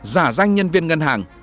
giả danh nhân viên ngân hàng